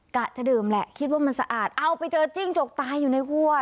กะจะดื่มแหละคิดว่ามันสะอาดเอ้าไปเจอจิ้งจกตายอยู่ในหัว